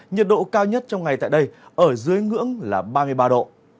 nhiệt độ cao nhất trong ngày tại đây ở dưới ngưỡng là ba mươi ba độ